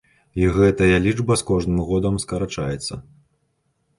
І гэтая лічба з кожным годам скарачаецца.